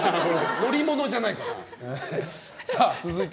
乗り物じゃないの。